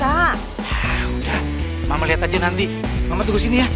hah udah mama liat aja nanti mama tunggu sini ya